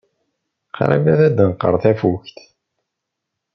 Qrib ad d-tenqer tafukt.